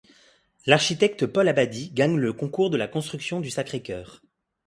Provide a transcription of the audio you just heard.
L'architecte Paul Abadie gagne le concours de la construction du Sacré-Cœur.